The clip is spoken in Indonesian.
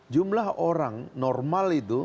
jumlah orang normal itu